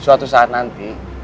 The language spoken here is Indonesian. suatu saat nanti